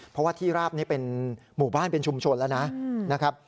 เพราะว่าที่ราบนี้เป็นหมู่บ้านเป็นชุมชนแล้วนะครับ